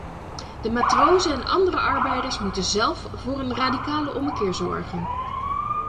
De matrozen en andere arbeiders moeten zelf voor een radicale ommekeer zorgen.